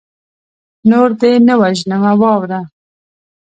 نور دې نه وژنمه واوره